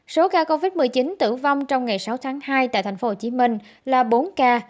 số ca covid một mươi chín tử vong trong ngày sáu tháng hai tại tp hcm là bốn ca